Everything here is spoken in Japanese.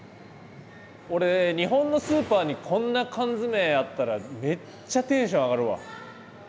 俺ね日本のスーパーにこんな缶詰あったらめっちゃテンション上がるわ。